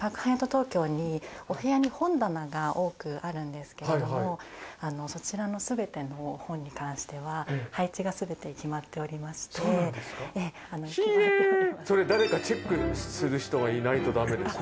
東京にお部屋に本棚が多くあるんですけれどもそちらの全ての本に関しては配置が全て決まっておりましてそれ誰かチェックする人がいないとダメですよね